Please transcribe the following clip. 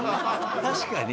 確かに。